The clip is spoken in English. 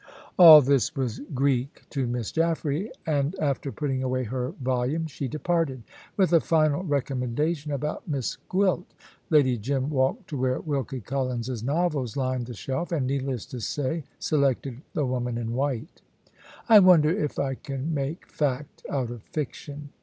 All this was Greek to Miss Jaffray, and after putting away her volume she departed, with a final recommendation about Miss Gwilt. Lady Jim walked to where Wilkie Collins's novels lined the shelf, and needless to say selected The Woman in White. "I wonder if I can make fact out of fiction?"